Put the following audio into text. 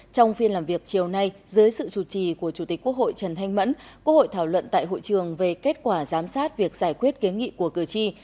trong phiên làm việc chiều nay dưới sự chủ trì của chủ tịch quốc hội trần thanh mẫn quốc hội thảo luận tại hội trường về kết quả giám sát việc giải quyết kiến nghị của cử tri